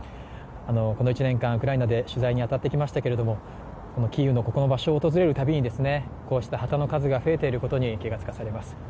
この１年間、ウクライナで取材に当たってきましたけれども、このキーウのここの場所を訪れるたびにこうした旗の数が増えていることに気がつかされます。